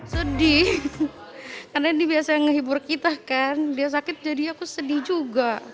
sedih karena ini biasa yang ngehibur kita kan dia sakit jadi aku sedih juga